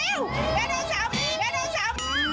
หนูเร็ว